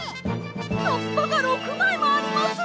はっぱが６まいもあります！